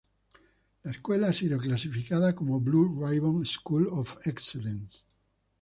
La escuela ha sido clasificada como "Blue Ribbon School of Excellence".